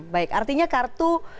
baik artinya kartu